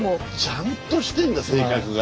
ちゃんとしてんだ性格が。